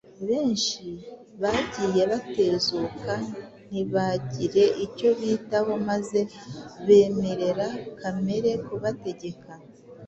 benshi bagiye batezuka ntibagire icyo bitaho maze bemerera kamere kubategeka.